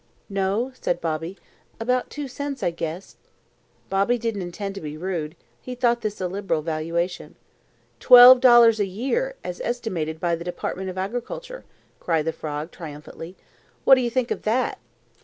"No," said Bobby. "About two cents, I guess." Bobby didn't intend to be rude. He thought this a liberal valuation. "Twenty dollars a year, as estimated by the Department of Agriculture!" cried the frog triumphantly. "What do you think of that?"